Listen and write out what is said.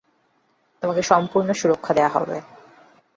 তোমাকে সম্পূর্ণ সুরক্ষা দেয়া হবে।